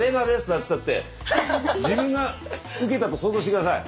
なんつったって自分が受けたと想像してください。